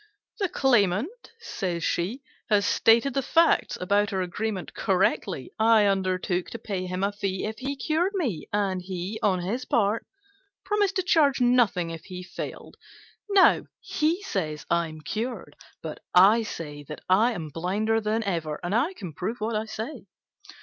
"The claimant," said she, "has stated the facts about our agreement correctly. I undertook to pay him a fee if he cured me, and he, on his part, promised to charge nothing if he failed. Now, he says I am cured; but I say that I am blinder than ever, and I can prove what I say.